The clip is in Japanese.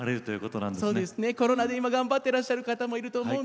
コロナで今頑張っていらっしゃる方もいると思います。